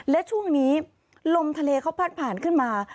และช่วงนี้ลมทะเลเขาพัดผ่านขึ้นมา